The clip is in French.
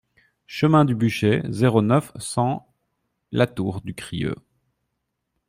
Chemin du Bûcher, zéro neuf, cent La Tour-du-Crieu